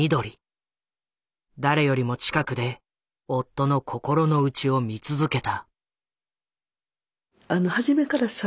誰よりも近くで夫の心の内を見続けた。